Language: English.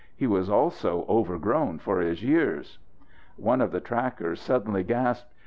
He was also overgrown for his years." One of the trackers suddenly gasped.